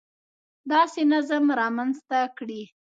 داسې نظم رامنځته کړي